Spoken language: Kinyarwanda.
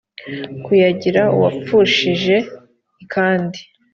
kuyagira uwapfushije i kandi